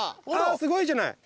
すごいじゃない。